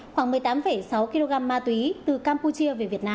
khoảng một mươi tám sáu kg ma túy từ campuchia về việt nam